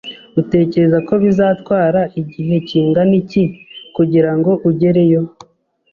Utekereza ko bizatwara igihe kingana iki kugirango ugereyo?